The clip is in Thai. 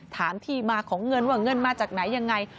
ถามที่มาของเงินว่าเงินมาจากไหนยังไง